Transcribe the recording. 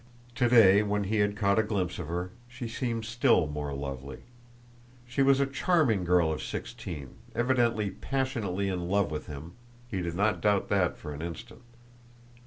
Today, when he had caught a glimpse of her, she seemed still more lovely. She was a charming girl of sixteen, evidently passionately in love with him (he did not doubt that for an instant).